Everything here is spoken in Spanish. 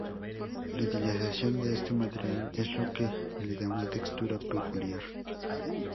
La utilización de este material es lo que le da una textura peculiar.